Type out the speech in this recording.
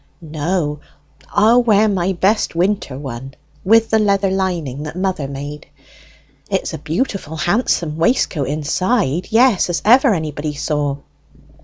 "No, I'll wear my best winter one, with the leather lining, that mother made. It is a beautiful, handsome waistcoat inside, yes, as ever anybody saw.